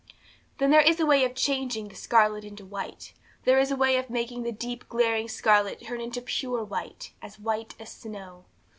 'Then there is a way of changing the scarlet into white; there is a way of making the deep, glaring scarlet turn into pure white, as white as snow.